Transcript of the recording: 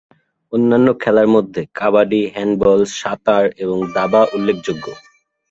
অন্যান্য খেলার মধ্যে কাবাডি, হ্যান্ডবল, সাঁতার এবং দাবা উল্লেখযোগ্য।